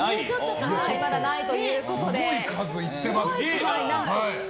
まだないということで。